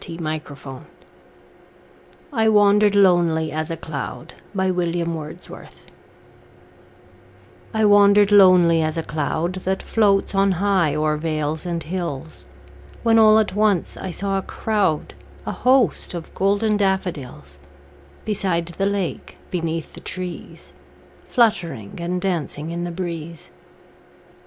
William Wordsworth I Wandered Lonely As a Cloud I WANDERED lonely as a cloud That floats on high o'er vales and hills, When all at once I saw a crowd, A host, of golden daffodils; Beside the lake, beneath the trees, Fluttering and dancing in the breeze.